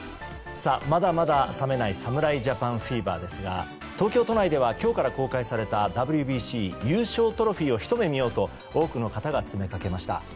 まだまだ冷めない侍ジャパンフィーバーですが東京都内では今日から公開されたＷＢＣ優勝トロフィーをひと目見ようと多くの方が詰めかけました。